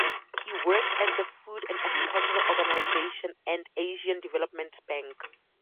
He worked at the Food and Agriculture Organization and Asian Development Bank.